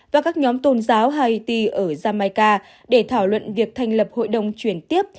và các nhóm tôn giáo haiti ở jamaica để thảo luận việc thành lập hội đồng chuyển tiếp